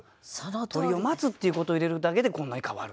「鳥を待つ」っていうことを入れるだけでこんなに変わる。